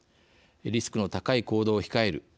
リスクの高い行動を控える。